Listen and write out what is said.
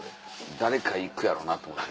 誰かいくやろなと思って。